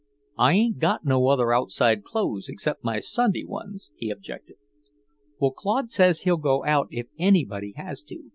"I ain't got no other outside clothes, except my Sunday ones," he objected. "Well, Claude says he'll go out if anybody has to.